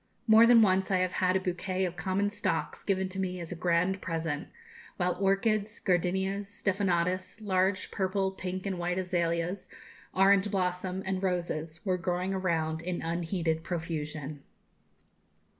More than once I have had a bouquet of common stocks given to me as a grand present, while orchids, gardenias, stephanotis, large purple, pink, and white azaleas, orange blossom, and roses, were growing around in unheeded profusion.